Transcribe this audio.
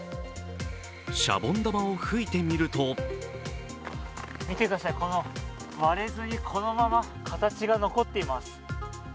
シャボン玉を吹いてみると見てください、割れずにこのまま形が残っています。